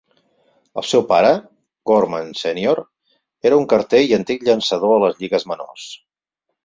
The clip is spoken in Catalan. El seu pare, Gorman Sr, era un carter i antic llançador a les lligues menors.